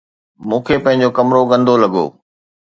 مون کي پنهنجو ڪمرو گندو لڳو